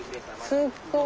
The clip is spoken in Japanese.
すっごい。